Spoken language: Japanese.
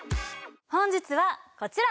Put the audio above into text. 本日はこちら！